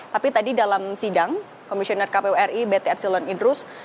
tapi tadi dalam sidang komisioner kpw ri b epsilon idrus